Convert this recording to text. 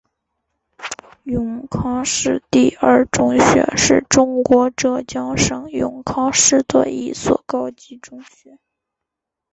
永康市第二中学是中国浙江省永康市的一所高级中学。